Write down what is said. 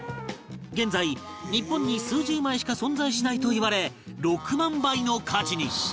現在日本に数十枚しか存在しないといわれ６万倍の価値に